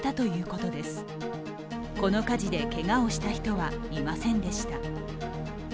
この火事でけがをした人はいませんでした。